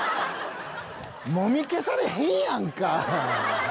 もみ消されへんやんか。